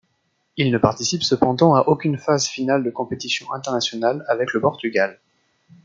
Il ne participe cependant à aucune phase finale de compétition internationale avec le Portugal.